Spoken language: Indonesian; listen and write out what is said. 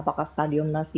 apakah stadium nasi dini